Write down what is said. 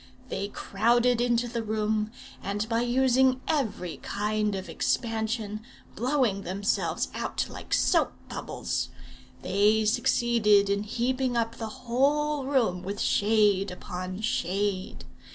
They crowded into the room, and by using every kind of expansion blowing themselves out like soap bubbles they succeeded in heaping up the whole room with shade upon shade.